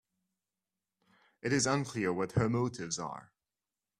It is unclear what her motives are.